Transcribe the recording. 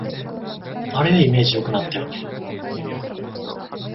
あれでイメージ良くなったよね